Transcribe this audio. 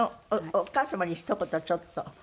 お母様にひと言ちょっと。